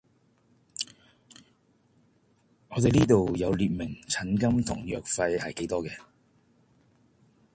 我哋呢度有列明診金同藥費係幾多嘅